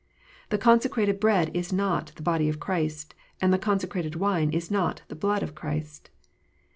The consecrated bread is not the body of Christ, and the consecrated wine is not the blood of Christ.